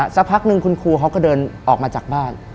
สักพักนึงคุณครูเขาก็เดินออกมาจากบ้าน